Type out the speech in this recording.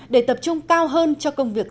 để tập trung cao hơn cho công việc